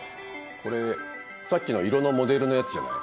これさっきの色のモデルのやつじゃない？